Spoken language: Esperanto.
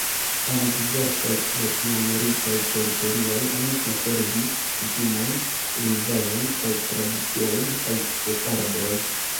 En diversaj latinamerikaj teritorioj oni konservis kutimojn, lingvaĵon kaj tradiciojn el sefardoj.